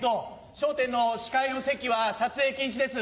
『笑点』の司会の席は撮影禁止です。